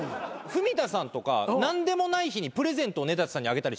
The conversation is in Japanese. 文田さんとか何でもない日にプレゼントを根建さんにあげたりしてる。